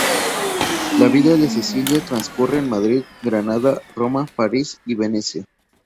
La vida de Cecilia transcurre en Madrid, Granada, Roma, París y Venecia.